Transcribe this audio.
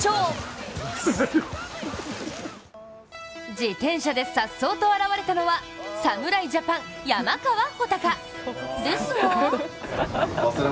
自転車でさっそうと現れたのは侍ジャパン・山川穂高ですが。